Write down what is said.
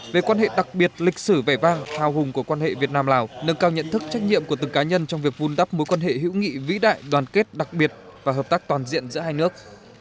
về quan hệ đặc biệt lịch sử vẻ vang thao hùng của quan hệ việt nam lào nâng cao nhận thức trách nhiệm của từng cá nhân trong việc vun đắp mối quan hệ hữu nghị vĩ đại đoàn kết đặc biệt và hợp tác toàn diện giữa hai nước